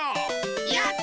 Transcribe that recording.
やった！